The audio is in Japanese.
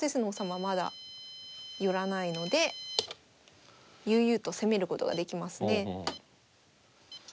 まだ寄らないので悠々と攻めることができますね。